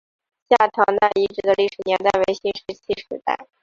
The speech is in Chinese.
下堂那遗址的历史年代为新石器时代。